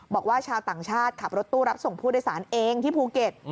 บอกว่าชาวต่างชาติขับรถตู้รับส่งผู้โดยสารเองที่ภูเก็ต